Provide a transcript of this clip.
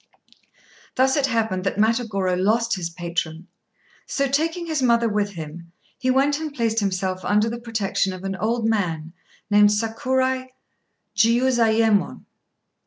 Thus it happened that Matagorô lost his patron; so, taking his mother with him, he went and placed himself under the protection of an old man named Sakurai Jiuzayémon.